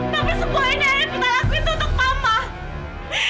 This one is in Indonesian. tapi sebuah ini evita lakuin tuh tidak